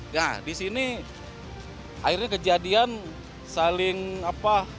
nah di sini akhirnya kejadian saling apa